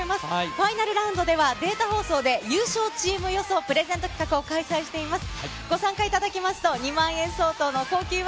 ファイナルラウンドでは、データ放送で、優勝チーム予想プレゼント企画を開催しています。